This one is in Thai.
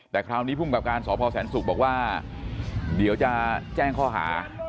แต่คราวนี้ภูมิกับการสพแสนศุกร์บอกว่าเดี๋ยวจะแจ้งข้อหา